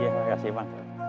iya makasih bang